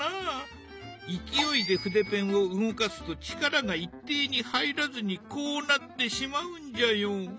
勢いで筆ペンを動かすと力が一定に入らずにこうなってしまうんじゃよ。